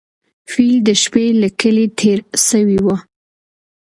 فیل د شپې له کلي تېر سوی و.